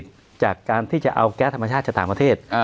จากการที่จะเอาแก๊สธรรมชาติจากต่างประเทศ